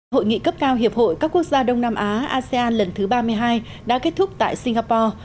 hội nghị cấp cao hiệp hội các quốc gia đông nam á asean lần thứ ba mươi hai đã kết thúc tại singapore